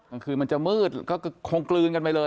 กลางคืนมันจะมืดก็คงกลืนกันไปเลย